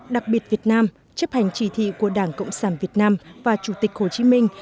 đặc biệt việt nam chấp hành chỉ thị của đảng cộng sản việt nam và chủ tịch hồ chí minh